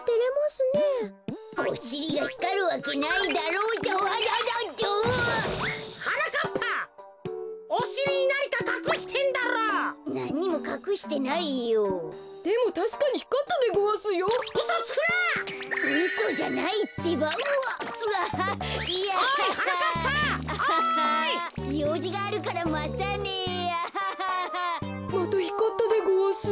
またひかったでごわす。